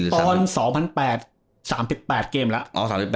ตอน๒๐๐๘๓๘เกมแล้ว